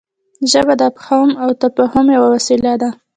ژبه د افهام او تفهیم یوه وسیله ده.